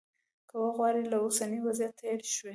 که وغواړو له اوسني وضعیته تېر شو.